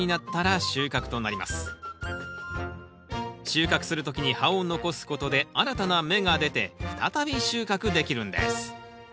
収穫する時に葉を残すことで新たな芽が出て再び収穫できるんです